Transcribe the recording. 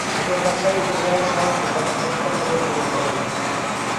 ঝিকরগাছা উপজেলা শহরটি কপোতাক্ষ নদের তীরে গড়ে উঠেছে।